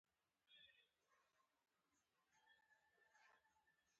په همدې لنډ وخت کې مرګي خپل کار کړی و.